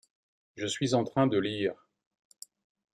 Je suis en train de lire.